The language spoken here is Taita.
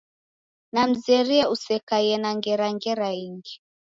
Namzerie usekaie na ngera ngera ingi.